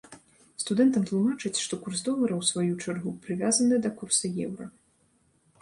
Студэнтам тлумачаць, што курс долара, у сваю чаргу, прывязаны да курса еўра.